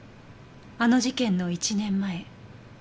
あの事件の１年前。